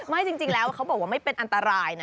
ไม่จริงแล้วเขาบอกว่าไม่เป็นอันตรายนะ